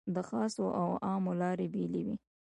د خاصو او عامو لارې بېلې وې.